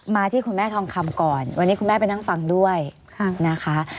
ที่คุณแม่ทองคำก่อนวันนี้คุณแม่ไปนั่งฟังด้วยนะคะ